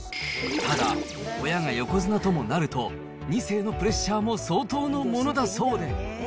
ただ、親が横綱ともなると、２世のプレッシャーも相当のものだそうで。